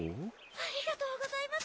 ありがとうございます！